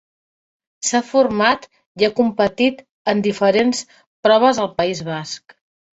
S'ha format i ha competit en diferents proves al País Basc.